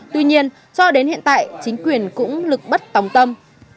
tuy nhiên cho đến hiện tại chính quyền cũng lực bất tòng tâm